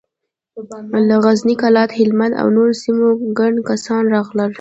له غزني، کلات، هلمند او نورو سيمو ګڼ کسان راغلل.